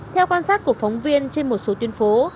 theo quan sát của phóng viên trên một số tuyên phố